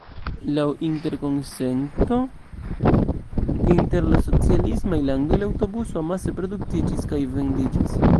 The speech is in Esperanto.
Laŭ interkonsento inter la socialismaj landoj, la aŭtobuso amase produktiĝis kaj vendiĝis.